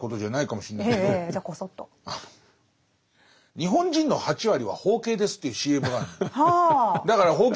日本人の８割は包茎ですっていうＣＭがあるの。